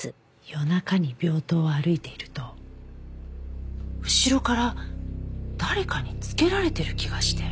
夜中に病棟を歩いていると後ろから誰かにつけられてる気がして。